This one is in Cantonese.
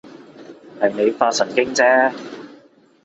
係你發神經啫